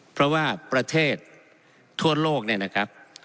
เพราะว่าประเทศทั่วโลกเนี่ยนะครับ